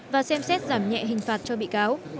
và xem xét giảm nhẹ hình phạt cho bị cáo